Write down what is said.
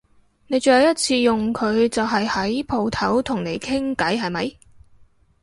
我最後一次用佢就係喺舖頭同你傾偈係咪？